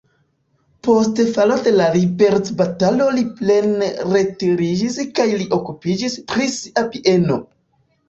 Post falo de la liberecbatalo li plene retiriĝis kaj li okupiĝis pri sia bieno.